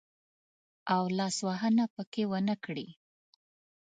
او لاس وهنه پکښې ونه کړي.